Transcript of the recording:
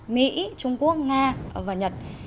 mỹ trung quốc nga và nhật